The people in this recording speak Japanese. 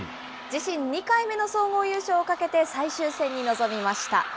自身２回目の総合優勝をかけて、最終戦に臨みました。